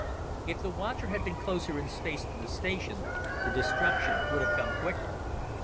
If the watcher had been closer in space to the station, the destruction would have come quicker.